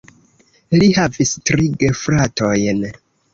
Li havis tri gefratojn.